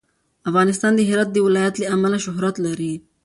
افغانستان د هرات د ولایت له امله شهرت لري.